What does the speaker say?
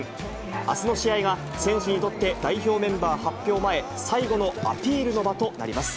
あすの試合が選手にとって、代表メンバー発表前、最後のアピールの場となります。